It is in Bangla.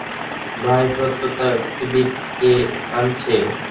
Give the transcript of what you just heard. ভাই পুরাতত্ত্ববিদ কে আনছে।